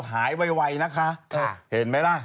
ไวนะคะเห็นไหมล่ะ